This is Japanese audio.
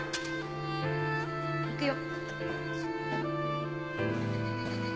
行くよ。